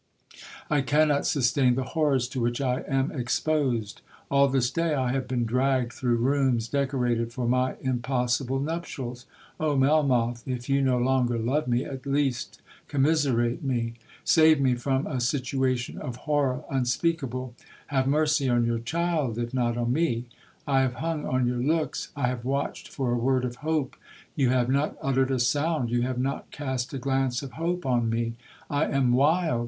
I cannot sustain the horrors to which I am exposed! All this day I have been dragged through rooms decorated for my impossible nuptials!—Oh, Melmoth, if you no longer love me, at least commiserate me! Save me from a situation of horror unspeakable!—have mercy on your child, if not on me! I have hung on your looks,—I have watched for a word of hope—you have not uttered a sound—you have not cast a glance of hope on me! I am wild!